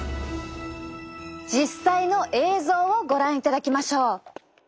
実際の映像をご覧いただきましょう！